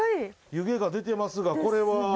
湯気が出てますがこれは。